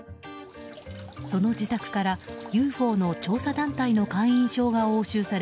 その自宅からＵＦＯの調査団体の会員証が押収され